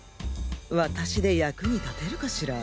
私で役に立てるかしら？